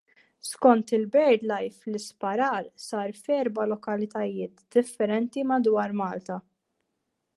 Skont il-Birdlife, l-isparar sar f'erba' lokalitajiet differenti madwar Malta.